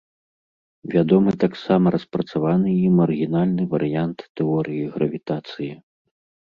Вядомы таксама распрацаваны ім арыгінальны варыянт тэорыі гравітацыі.